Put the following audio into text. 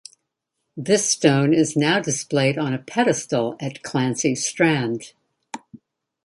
This stone is now displayed on a pedestal at Clancy Strand.